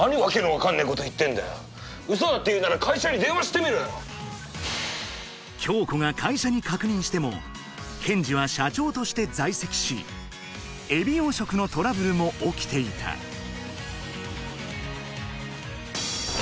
あなた恭子が会社に確認しても健二は社長として在籍しエビ養殖のトラブルも起きていたあっ？